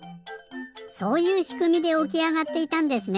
そういうしくみでおきあがっていたんですね！